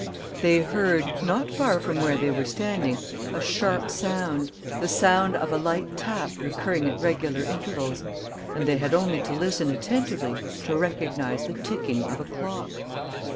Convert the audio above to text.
They heard, not far from where they were standing, a sharp sound, the sound of a light tap recurring at regular intervals; and they had only to listen attentively to recognise the ticking of a clock.